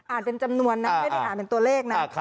เป็นจำนวนนะไม่ได้อ่านเป็นตัวเลขนะ